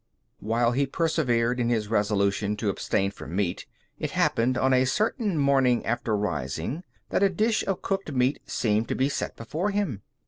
While he persevered in his resolution to abstain from meat, it happened on a certain morning after rising, that a dish of cooked meat seemed to be set before him.